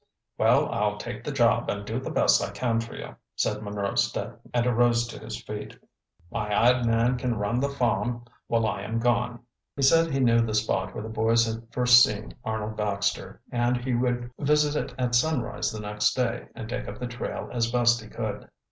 "Well, I'll take the job and do the best I can for you," said Munro Staton and arose to his feet. "My hired man can run the farm while I am gone." He said he knew the spot where the boys had first seen Arnold Baxter, and he would visit it at sunrise the next day and take up the trail as best he could.